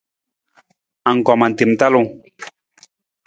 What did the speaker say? Anggoma tem talung.